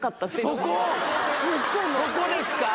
そこですか？